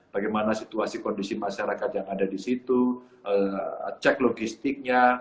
bagaimana situasi kondisi masyarakat yang ada di situ cek logistiknya